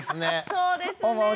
そうですね。